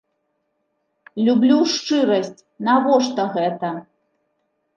Люблю шчырасць, навошта гэта?